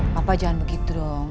papa jangan begitu dong